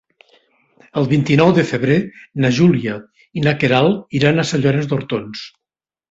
El vint-i-nou de febrer na Júlia i na Queralt iran a Sant Llorenç d'Hortons.